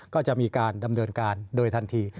ก็จะมีการดำเนินการโดยทันที